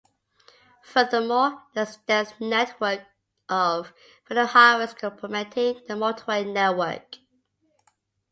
Furthermore, there is a dense network of federal highways complementing the motorway network.